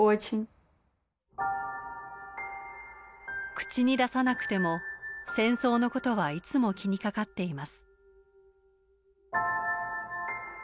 口に出さなくても戦争のことはいつも気にかかっています。